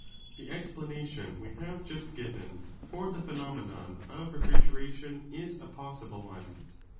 The explanation we have just given for the phenomenon of refrigeration is a possible one.